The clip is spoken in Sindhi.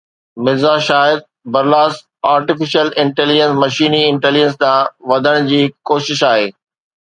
مرزا شاهد برلاس آرٽيفيشل انٽيليجنس مشيني انٽيليجنس ڏانهن وڌڻ جي هڪ ڪوشش آهي